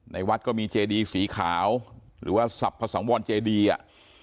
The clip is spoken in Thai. วัดก็มีเจดีสีขาวหรือว่าสรรพสังวรเจดีอ่ะ